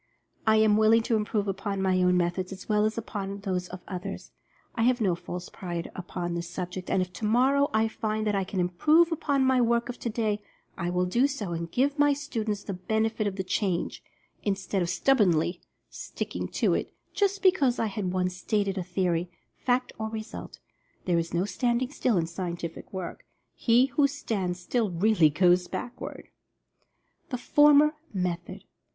I am willing to improve upon my own methods as well as upon those of others — I have no false pride upon this subject, and if tomorrow I find that I can improve upon my work of today, I will do so and give my students the benefit of the change, instead of stubbornly "sticking to it," just because I had once stated a theory, fact, or result. There is no standing still in scientific work — he who stands still really goes backward. THE FORMER METHOD.